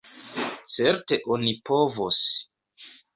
Certe oni povos.